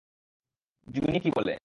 জুনি কি বলে?